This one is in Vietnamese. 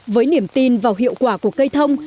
với niềm tin vào hiệu quả của cây thông